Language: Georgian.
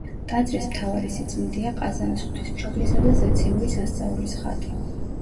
ტაძრის მთავარი სიწმინდეა ყაზანის ღვთისმშობლისა და ზეციური სასწაულის ხატი.